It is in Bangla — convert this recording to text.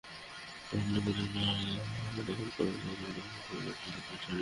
নিয়োগের পরই তাঁর দাখিল করা কাগজপত্র ভুয়া বলে ক্যাম্পাসে গুঞ্জন ছড়িয়ে পড়ে।